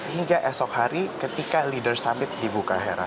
hingga esok hari ketika leader summit di bukahera